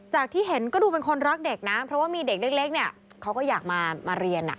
ที่เห็นก็ดูเป็นคนรักเด็กนะเพราะว่ามีเด็กเล็กเนี่ยเขาก็อยากมาเรียน